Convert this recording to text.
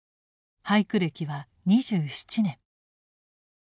俳句歴は２７年。